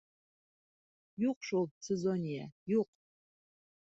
Юҡ шул, Цезония, юҡ!